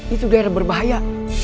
itu daerah berbahaya